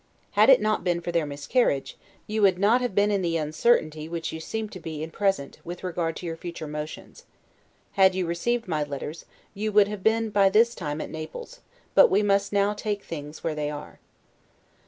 Had it not been for their miscarriage, you would not have, been in the uncertainty you seem to be in at present, with regard to your future motions. Had you received my letters, you would have been by this time at Naples: but we must now take things where they are.